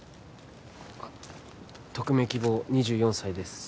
あっ匿名希望２４歳です